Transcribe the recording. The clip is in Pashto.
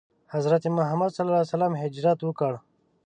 حضرت محمد ﷺ هجرت وکړ.